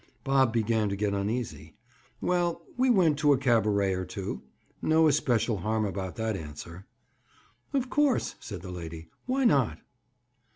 Bob began to get uneasy. "Well, we went to a cabaret or two." No especial harm about that answer. "Of course," said the lady. "Why not?"